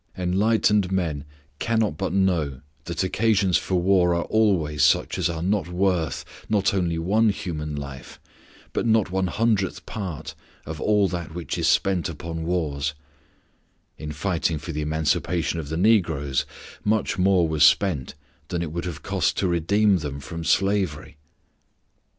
Enlightened men cannot but know that occasions for war are always such as are not worth not only one human life, but not one hundredth part of all that which is spent upon wars (in fighting for the emancipation of the negroes much more was spent than it would have cost to redeem them from slavery).